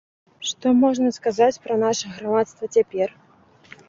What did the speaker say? Што можна сказаць пра наша грамадства цяпер?